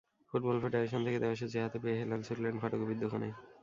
Football federation থেকে দেওয়া সূচি হাতে পেয়ে হেলাল ছুটলেন ফটোকপির দোকানে।